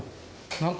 何か。